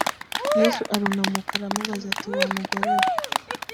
yesu arunamuka aramubaza ati wa mugore we